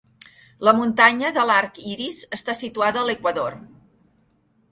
La muntanya de l'Arc Iris està situada a l'Equador.